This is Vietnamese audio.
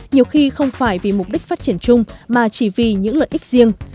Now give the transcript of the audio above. nhiều khi không phải vì mục đích phát triển chung mà chỉ vì những lợi ích riêng